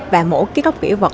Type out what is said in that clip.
và mỗi cái góc kỹ vật